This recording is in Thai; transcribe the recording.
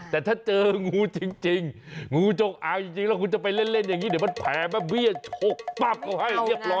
แต่ถ้าเจองูจริงงูจกอายจริงแล้วคุณจะไปเล่นเดี๋ยวมันแผลมาเบี้ยโชคแป๊บ